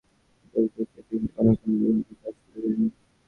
দোষ দেখিয়ে দেখিয়ে কোন কালে ভাল কাজ করা যায় না।